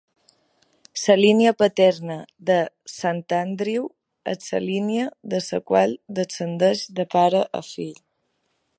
La línia paterna de Sant Andrew és la línia de la qual descendeix de pare a fill.